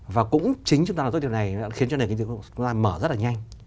và cũng chính chúng ta làm được điều này khiến cho nền kinh tế quốc tế mở rất là nhanh